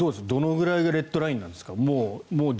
どのくらいがレッドラインなんですか。